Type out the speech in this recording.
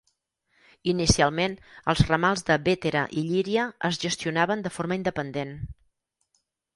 Inicialment els ramals de Bétera i Llíria es gestionaven de forma independent.